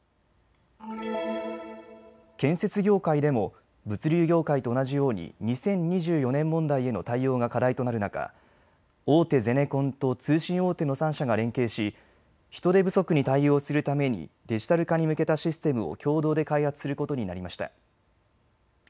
建設業界でも物流業界と同じように２０２４年問題への対応が課題となる中、大手ゼネコンと通信大手の３社が連携し人手不足に対応するためにデジタル化に向けたシステムを共同で開発することになりました。